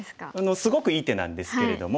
すごくいい手なんですけれども。